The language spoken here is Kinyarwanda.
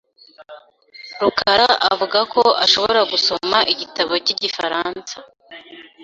rukara avuga ko ashobora gusoma igitabo cy'igifaransa .